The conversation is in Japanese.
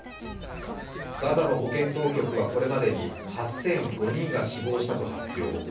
ガザの保健当局はこれまでに８００５人が死亡したと発表。